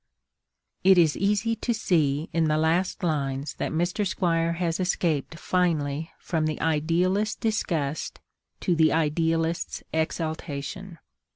It is easy to see in the last lines that Mr. Squire has escaped finally from the idealist's disgust to the idealist's exaltation.